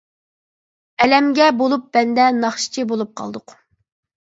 ئەلەمگە بولۇپ بەندە، ناخشىچى بولۇپ قالدۇق.